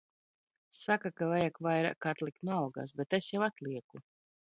Saka, ka vajag vairāk atlikt no algas. Bet es jau atlieku.